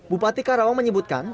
bupati karawang menyebutkan